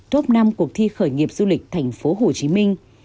top năm cuộc thi khởi nghiệp du lịch thành phố hồ chí minh